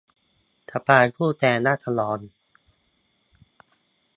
สภาผู้แทนราษฏร